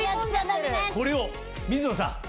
これを水野さん！